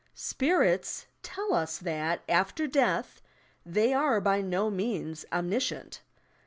"Spirits" tell us that, after death, they are by no means omniscient.